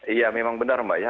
ya memang benar mbak